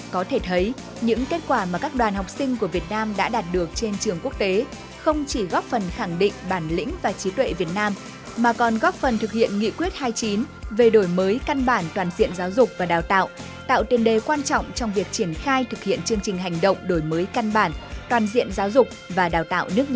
có thể thấy những kết quả mà các đoàn học sinh của việt nam đã đạt được trên trường quốc tế không chỉ góp phần khẳng định bản lĩnh và trí tuệ việt nam mà còn góp phần thực hiện nghị quyết hai mươi chín về đổi mới căn bản toàn diện giáo dục và đào tạo tạo tiền đề quan trọng trong việc triển khai thực hiện chương trình hành động đổi mới căn bản toàn diện giáo dục và đào tạo